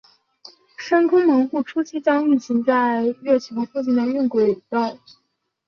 深空门户初期将运行在月球附近的晕轨道。